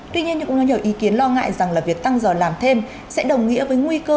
tuy nhiên nhiều ý kiến lo ngại rằng việc tăng giờ làm thêm sẽ đồng nghĩa với nguy cơ